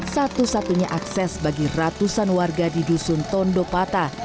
satu satunya akses bagi ratusan warga di dusun tondopata